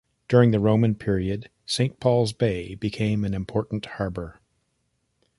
During the Roman period, Saint Paul's Bay became an important harbour.